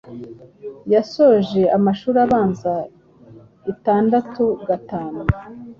Yasoje amashuri abanza itandatu gatanu